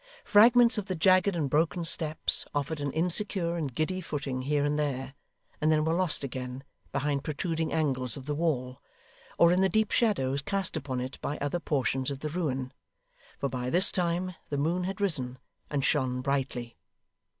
Fragments of the jagged and broken steps offered an insecure and giddy footing here and there, and then were lost again, behind protruding angles of the wall, or in the deep shadows cast upon it by other portions of the ruin; for by this time the moon had risen, and shone brightly.